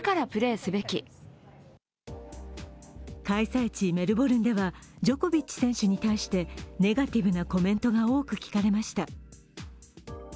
開催地・メルボルンではジョコビッチ選手に対してネガティブなコメントが多く聞かれました。